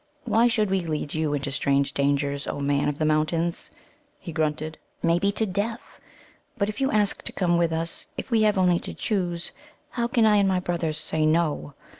"Why should we lead you into strange dangers, O Man of the Mountains," he grunted "maybe to death? But if you ask to come with us, if we have only to choose, how can I and my brothers say no?